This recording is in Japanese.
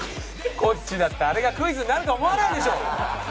こっちだってあれがクイズになると思わないでしょ！